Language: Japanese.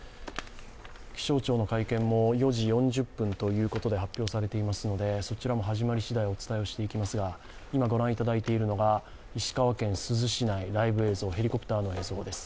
気象庁の会見も４時４０分ということで発表されていますのでそちらも始まり次第お伝えしていきますが、今ご覧いただいているのが石川県珠洲市内、ライブ映像、ヘリコプターの映像です。